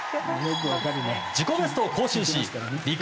自己ベストを更新しりく